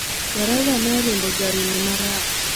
Dereva ne orimbo gari ni marach .